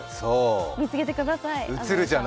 見つけてください。